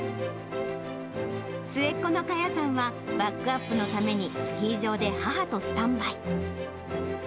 末っ子のカヤさんは、バックアップのために、スキー場で母とスタンバイ。